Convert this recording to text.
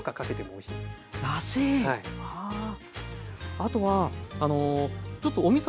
あとはちょっとおみそ